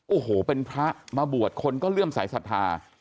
โอ้โหเป็นพระมาบวชคนก็เลื่อมสายศรัทธา